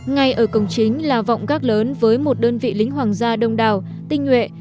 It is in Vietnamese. ngay ở cổng chính là vọng gác lớn với một đơn vị lính hoàng gia đông đảo tinh nhuệ